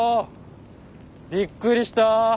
びっくりした。